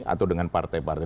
atau dengan partai partai